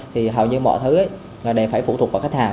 thì hầu như mọi thứ là đều phải phụ thuộc vào khách hàng